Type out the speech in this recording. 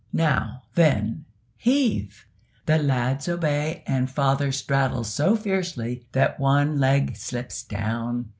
Now, then, heave!" The lads obey, and father straddles so fiercely that one leg slips down.